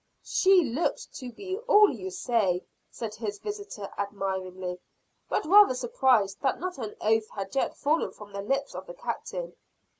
"She looks to be all you say," said his visitor admiringly but rather surprised that not an oath had yet fallen from the lips of the Captain.